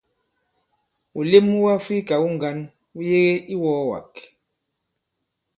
Wùlem wu Àfrikà wu ŋgǎn wu yebe i iwɔ̄ɔwàk.